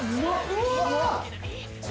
うわ！